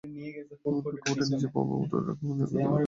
এমন প্রেক্ষাপটে নিজের প্রভাব অটুট রাখা এবং ইরানকে ঠেকাতে সৌদি আরব মরিয়া।